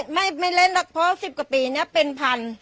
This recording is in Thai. ไม่ไม่เล่นแหละเพราะสิบกว่าปีเนี่ยเป็นพันธุ์